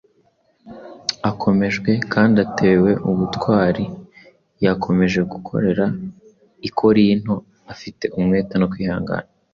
Akomejwe kandi atewe ubutwari, yakomeje gukorera i Korinto afite umwete no kwihangana.